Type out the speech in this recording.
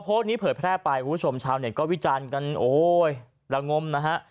โพสต์นี้เผยแพร่ไปคุณผู้ชมชาวเน็ตก็วิจารณ์กันโอ้ยละงมนะฮะ